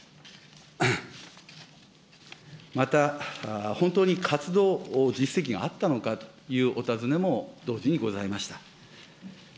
また、本当に活動実績があったのかというお尋ねも同時にございました。